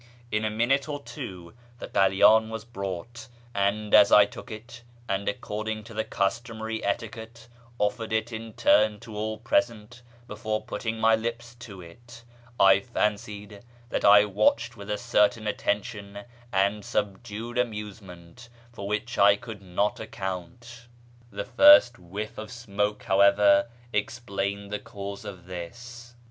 In a minute or two the kalydn was brought, and as I took it, and, according to the customary etiquette, offered it in turn to all present before putting my lips to it, I fancied that I was watched with a certain attention and subdued amusement for which I could not account. The first whiff of smoke, how ever, explained the cause of this.